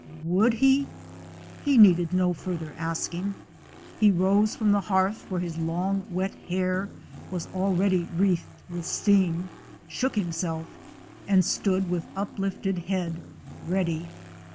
Would he? He needed no further asking. He rose from the hearth, where his long wet hair was already wreathed with steam, shook himself, and stood with lifted head, ready.